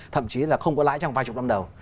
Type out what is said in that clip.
thậm chí là không có lãi trong vài chục năm đầu